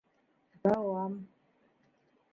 — Дауам